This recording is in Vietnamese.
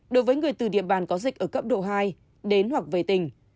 đối với người từ địa bàn có dịch ở cấp độ hai đến hoặc về tỉnh